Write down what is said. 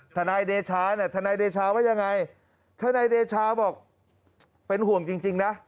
ทนายเดชาเนี่ยทนายเดชาว่ายังไงทนายเดชาบอกเป็นห่วงจริงนะ